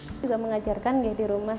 saya juga mengajarkan di rumah